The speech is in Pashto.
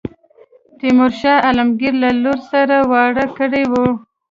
تیمور شاه عالمګیر له لور سره واړه کړی وو.